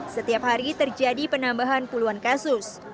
setiap hari terjadi penambahan puluhan kasus